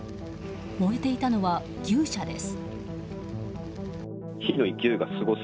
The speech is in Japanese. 燃えていたのは、牛舎です。